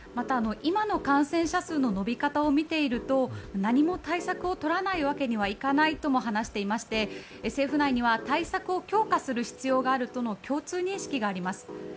今の感染者数の伸び方を見ていると何も対策をとらないわけにはいかないとも話していまして政府内には対策を強化する必要があるとの共通認識があります。